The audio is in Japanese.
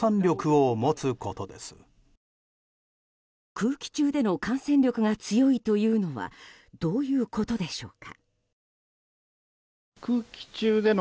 空気中での感染力が強いというのはどういうことでしょうか。